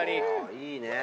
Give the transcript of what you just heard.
いいね。